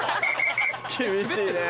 厳しいね。